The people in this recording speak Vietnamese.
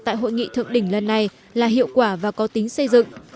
tại hội nghị thượng đỉnh lần này là hiệu quả và có tính xây dựng